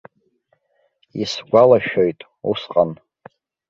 Исгәалашәоит, усҟан.